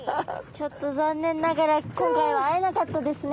ちょっと残念ながら今回は会えなかったですね。